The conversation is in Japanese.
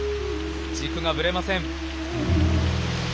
軸がぶれません。